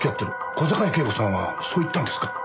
小坂井恵子さんはそう言ったんですか？